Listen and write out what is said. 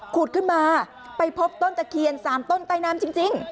ขุดขึ้นมาไปพบต้นตะเคียน๓ต้นใต้น้ำจริง